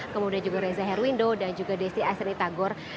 kemudian juga reza herwindo dan juga destri astriani tagor